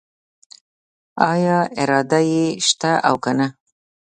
آیا اراده یې شته او کنه؟